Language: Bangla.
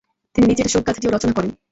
তিনি নিচের শোকগাঁথাটিও রচনা করেন